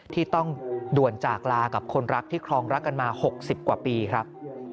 ที่ต้องด่วนจากลากับคนรักที่ครองรักกันมา๖๐กว่าปีครับ